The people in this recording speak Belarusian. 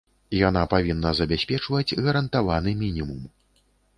Яна павінна забяспечваць гарантаваны мінімум.